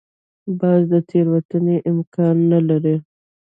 باز د تېروتنې امکان نه لري